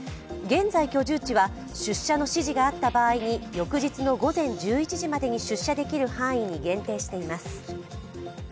現在居住地は出社の指示があった場合に翌日の午前１１時までに出社できる範囲に限定しています。